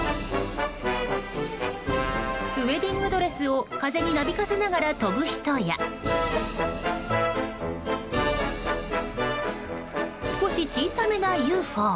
ウェディングドレスを風になびかせながら飛ぶ人や少し小さめなＵＦＯ。